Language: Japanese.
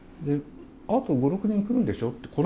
あと５６人は来るんでしょって。